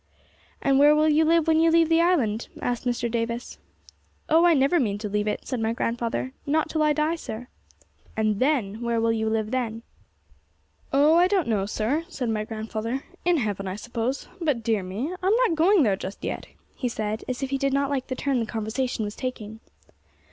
'And where will you live when you leave the island?' asked Mr. Davis. 'Oh, I never mean to leave it,' said my grandfather; 'not till I die, sir.' 'And then; where will you live then?' 'Oh, I don't know, sir,' said my grandfather. 'In heaven, I suppose. But, dear me, I'm not going there just yet,' he said, as if he did not like the turn the conversation was taking.